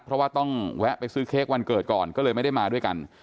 เพราะว่าต้องแวะไปซื้อเค้กวันเกิดก่อนก็เลยไม่ได้มาด้วยกัน